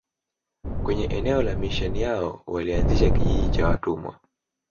Kwenye eneo la misheni yao walianzisha kijiji cha watumwa